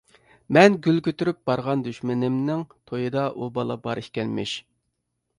مەن گۈل كۆتۈرۈپ بارغان دۈشمىنىمنىڭ تويىدا ئۇ بالا بار ئىكەنمىش.